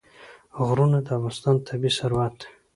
غرونه د افغانستان طبعي ثروت دی.